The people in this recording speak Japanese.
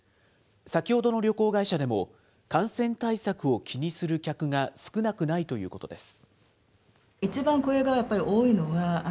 先ほどの旅行会社でも、感染対策を気にする客が少なくないということです。